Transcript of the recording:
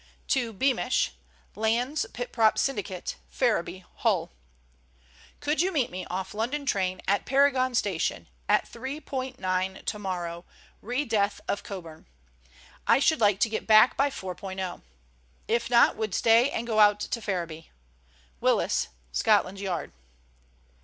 "To BEAMISH, Landes Pit Prop Syndicate, Ferriby, Hull. "Could you meet me off London train at Paragon Station at 3.9 tomorrow re death of Coburn. I should like to get back by 4.0. If not would stay and go out to Ferriby. "WILLIS, "Scotland Yard."